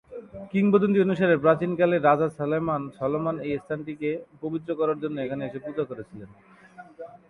কিংবদন্তি অনুসারে, প্রাচীনকালে রাজা সলোমন এই স্থানটিকে পবিত্র করার জন্য এখানে এসে পূজা করেছিলেন।